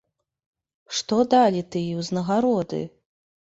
Што далі тыя ўзнагароды?